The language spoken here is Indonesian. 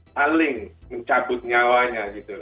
saling mencabut nyawanya